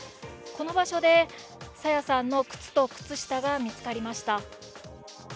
この場所で朝芽さんの靴と靴下が見つかりました。